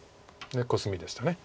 コスミでした。